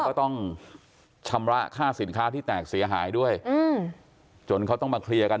ก็ต้องชำระค่าสินค้าที่แตกเสียหายด้วยอืมจนเขาต้องมาเคลียร์กัน